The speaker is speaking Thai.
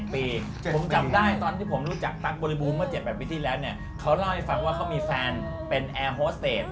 ผมจับได้ตอนที่ผมรู้จักตั๊กบริบูรณเมื่อ๗๘ปีที่แล้วเนี่ยเขาเล่าให้ฟังว่าเขามีแฟนเป็นแอร์โฮสเตจ